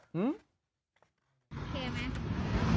โอเคมั้ย